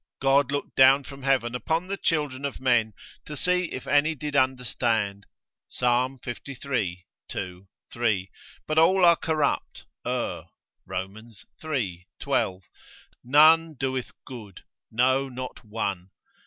God looked down from heaven upon the children of men, to see if any did understand, Psalm liii. 2, 3, but all are corrupt, err. Rom. iii. 12, None doeth good, no, not one.